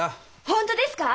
本当ですか！？